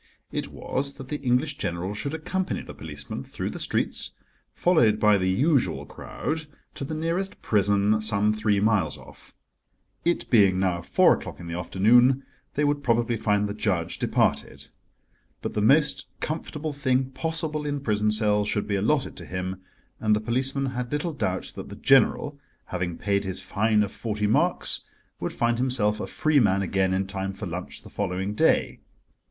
It was that the English General should accompany the policeman through the streets, followed by the usual crowd, to the nearest prison, some three miles off. It being now four o'clock in the afternoon, they would probably find the judge departed. But the most comfortable thing possible in prison cells should be allotted to him, and the policeman had little doubt that the General, having paid his fine of forty marks, would find himself a free man again in time for lunch the following day.